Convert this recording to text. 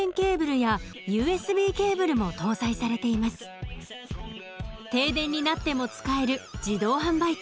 更に停電になっても使える自動販売機。